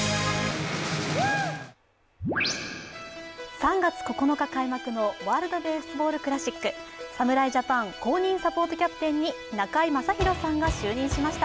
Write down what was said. ３月９日開幕のワールドベースボールクラシック侍ジャパン公認サポートキャプテンに中居正広さんが就任しました。